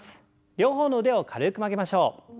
両方の腕を軽く曲げましょう。